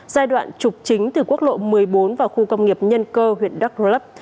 giai đoạn trục chính từ quốc lộ một mươi bốn vào khu công nghiệp nhân cơ huyện đắc lấp